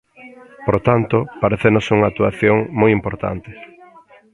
Por tanto, parécenos unha actuación moi importante.